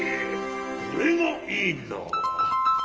これがいいんだ。